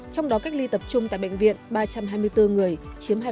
trong đó cách ly tập trung tại bệnh viện ba trăm hai mươi bốn người chiếm hai